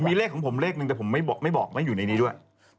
มีเลขแต่ผมไม่บอกอยู่ในนี้ด้วย